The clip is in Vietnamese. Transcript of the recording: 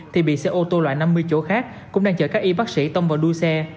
thì bị xe ô tô loại năm mươi chỗ khác cũng đang chở các y bác sĩ tông vào đuôi xe